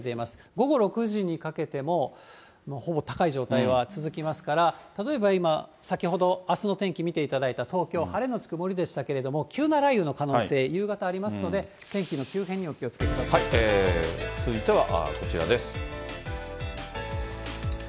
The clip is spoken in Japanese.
午後６時にかけても、ほぼ高い状態は続きますから、例えば今、先ほど、あすの天気見ていただいた東京、晴れ後曇りでしたけれども、急な雷雨の可能性、夕方ありますので、続いてはこちらです。